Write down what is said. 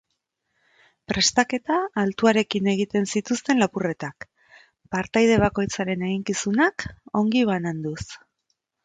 Prestaketa altuarekin egiten zituzten lapurretak, partaide bakoitzaren eginkizunak ongi bananduz.